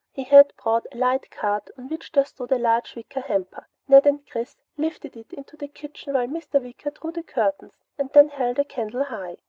He had brought a light cart on which there stood a large wicker hamper. Ned and Chris lifted it into the kitchen while Mr. Wicker drew the curtains and then held a candle high.